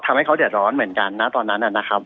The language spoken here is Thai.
ทำให้เขาเดือดร้อนเหมือนกันนะตอนนั้นนะครับ